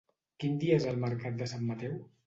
Quin dia és el mercat de Sant Mateu?